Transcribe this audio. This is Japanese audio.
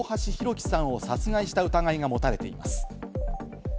輝さんを殺害した疑いが持たれています。